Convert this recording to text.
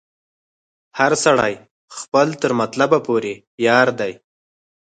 هر سړی خپل تر مطلبه پوري یار دی